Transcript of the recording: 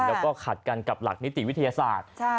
แล้วก็ขัดกันกับหลักนิติวิทยาศาสตร์